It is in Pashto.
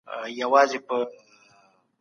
ولي د ردېدو وېره زموږ ذهني ازادي محدودوي؟